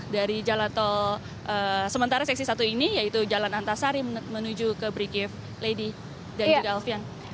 dari jalan tol sementara seksi satu ini yaitu jalan antasari menuju ke brigif lady dan juga alfian